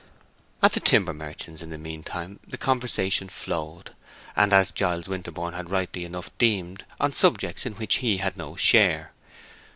At the timber merchant's, in the mean time, the conversation flowed; and, as Giles Winterborne had rightly enough deemed, on subjects in which he had no share.